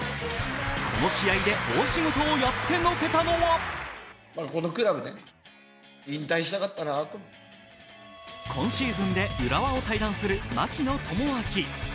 この試合で大仕事をやってのけたのは今シーズンで浦和を退団する槙野智章。